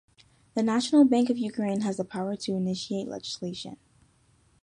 The National Bank of Ukraine has the power to initiate legislation.